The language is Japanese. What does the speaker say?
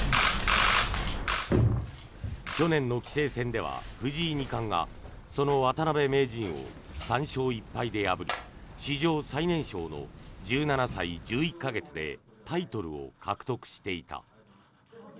去年の棋聖戦では藤井二冠がその渡辺名人を３勝１敗で破り史上最年少の１７歳１１か月でタイトルを獲得していた。